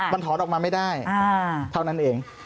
มันถอนออกมาไม่ได้เท่านั้นเอง